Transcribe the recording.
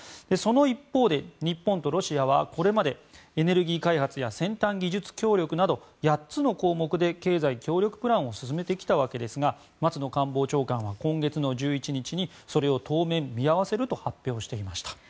その一方で、日本とロシアはこれまでエネルギー開発や先端技術協力など８つの項目で経済協力プランを進めてきたわけですが松野官房長官は今月１１日にそれを当面見合わせると発表していました。